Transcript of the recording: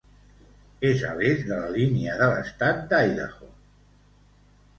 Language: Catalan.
És a l'est de la línia de l'estat d'Idaho.